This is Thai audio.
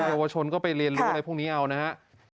เยาวชนก็ไปเรียนรู้อะไรพวกนี้เอานะครับ